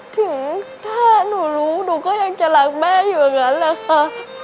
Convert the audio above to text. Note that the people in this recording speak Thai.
ถึงถ้าหนูรู้หนูก็ยังจะรักแม่อยู่อย่างนั้นแหละค่ะ